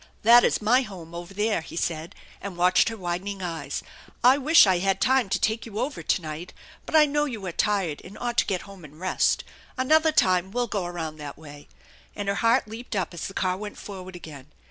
" That is my home over there," he said, and watched her widening eyes. " I wish I had time to take you over to night, but I know you are tired and ought to get home and rest. Another time we'll go around that way/' And her heart leaped up as the car went forward again.